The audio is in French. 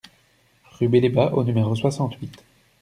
Rue Belébat au numéro soixante-huit